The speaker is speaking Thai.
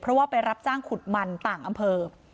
เพราะว่าไปรับจ้างขุดมันต่างอำเภอ